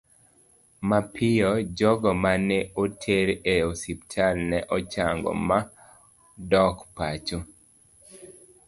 Mapiyo, jogo ma ne oter e osiptal ne chango ma dok pacho.